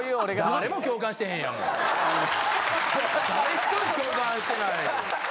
誰１人共感してない。